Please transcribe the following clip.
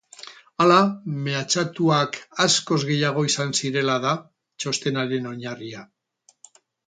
Hala, mehatxatuak askoz gehiago izan zirela da txostenaren oinarria.